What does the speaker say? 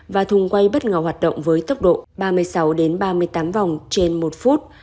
và thùng quay bất ngờ hoạt động với tốc độ ba mươi sáu ba mươi tám vòng trên một phút